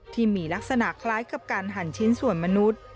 ที่มีลักษณะคล้ายกับการหั่นชิ้นส่วนมนุษย์